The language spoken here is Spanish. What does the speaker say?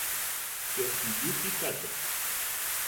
Yoshiyuki Katō